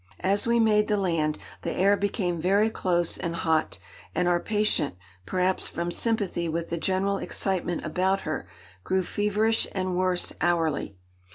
As we made the land, the air became very close and hot; and our patient, perhaps from sympathy with the general excitement about her, grew feverish and worse, hourly.